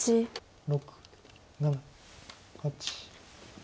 ６７８。